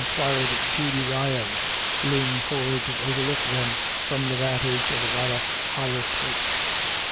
277 quired Judy Ryan, leaning forward to overlook them from the vantage of a rather higher perch.